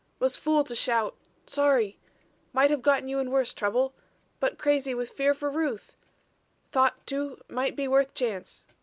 "Was fool to shoot. Sorry might have gotten you in worse trouble but crazy with fear for Ruth thought, too, might be worth chance.